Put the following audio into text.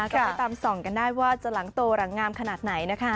ก็ไปตามส่องกันได้ว่าจะหลังโตหลังงามขนาดไหนนะคะ